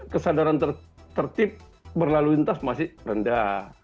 kesadaran tertib berlalu lintas masih rendah